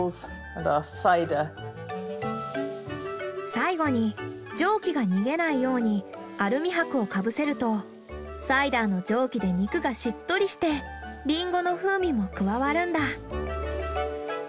最後に蒸気が逃げないようにアルミはくをかぶせるとサイダーの蒸気で肉がしっとりしてリンゴの風味も加わるんだ。